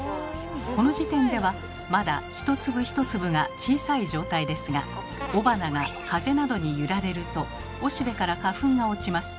この時点ではまだ一粒一粒が小さい状態ですが雄花が風などに揺られるとおしべから花粉が落ちます。